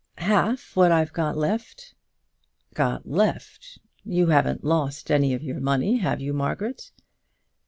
"Half what I've got left." "Got left! You haven't lost any of your money have you, Margaret?"